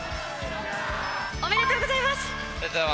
おめでとうございます。